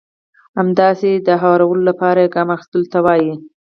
همداسې د هوارولو لپاره يې ګام اخيستلو ته وایي.